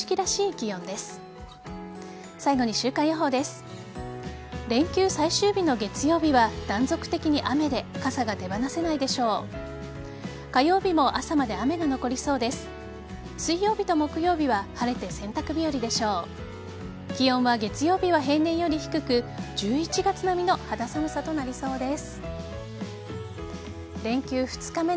気温は、月曜日は平年より低く１１月並みの肌寒さとなりそうです。